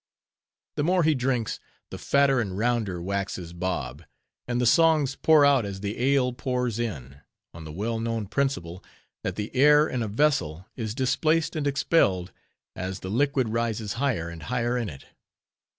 The more he drinks, the fatter and rounder waxes Bob; and the songs pour out as the ale pours in, on the well known principle, that the air in a vessel is displaced and expelled, as the liquid rises higher and higher in it.